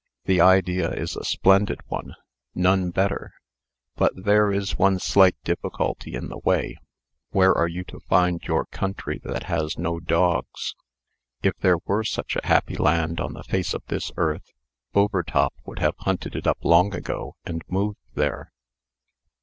"The idea is a splendid one. None better. But there is one slight difficulty in the way. Where are you to find your country that has no dogs? If there were such a happy land on the face of this earth, Overtop would have hunted it up long ago, and moved there."